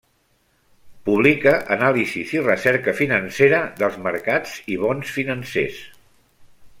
Publica anàlisis i recerca financera dels mercats i bons financers.